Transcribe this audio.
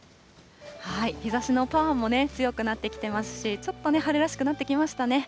日ざしのパワーもね、強くなってきてますし、ちょっと春らしくなってきましたね。